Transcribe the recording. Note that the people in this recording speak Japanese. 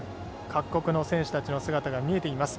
各国の選手たちの姿が見えています。